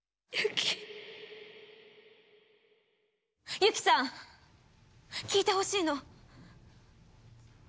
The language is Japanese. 由希さん聞いてほしいの。